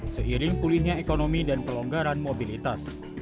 seiring pulihnya ekonomi dan pelonggaran mobilitas